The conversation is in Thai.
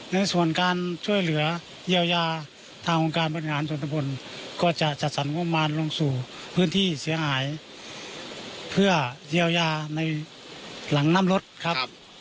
ในส่วนการช่วยเหลือเยียวยาทางองค์การบริหารส่วนตะบนก็จะจัดสรรงบประมาณลงสู่พื้นที่เสียหายเพื่อเยียวยาในหลังน้ำรถครับ